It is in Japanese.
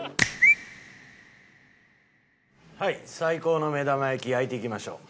はい最高の目玉焼き焼いていきましょう。